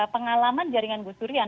pengalaman jaringan gus durian